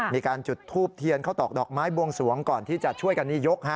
มีการจุดทูบเทียนเข้าตอกดอกไม้บวงสวงก่อนที่จะช่วยกันนี่ยก